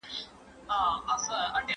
ستا د هيندارو په لاسونو کې به ځان ووينم